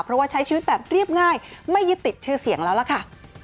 เพราะว่าใช้ชีวิตแบบเรียบง่ายไม่ยึดติดชื่อเสียงแล้วล่ะค่ะ